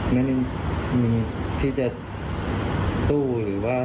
ไม่มีที่จะสู้หรือว่า